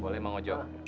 boleh emang ojo